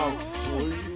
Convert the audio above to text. おいしい。